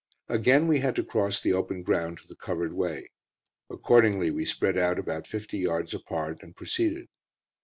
Again we had to cross the open ground to the covered way. Accordingly we spread out about fifty yards apart, and proceeded.